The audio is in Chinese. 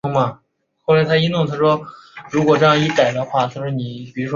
直隶省清苑县人。